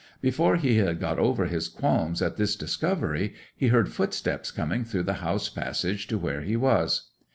Before he had got over his qualms at this discovery he heard footsteps coming through the house passage to where he was.